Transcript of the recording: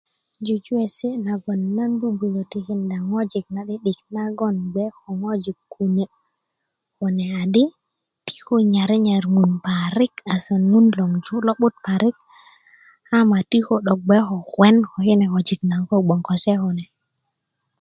jujuwesi nagon nan bubulö tikinda i ŋojik na'di'dik nagon bgoŋ ko ŋojik kune kune adi ti ko nyare nyar ŋun parik asan ŋun logon ju lo'but parik ama ti ko 'dok bge ko kuwen ko kine ŋojik naŋ ko bge ko se kune